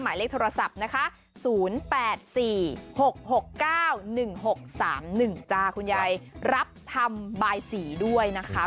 หมายเลขโทรศัพท์นะคะ๐๘๔๖๖๙๑๖๓๑จ้าคุณยายรับทำบายสีด้วยนะคะ